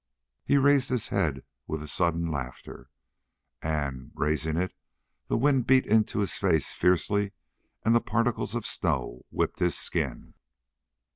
He raised his head with a sudden laughter, and, raising it, the wind beat into his face fiercely and the particles of snow whipped his skin.